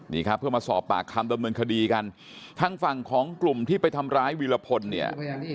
นี่ครับเพื่อมาสอบปากคำดำเนินคดีกันทางฝั่งของกลุ่มที่ไปทำร้ายวีรพลเนี่ย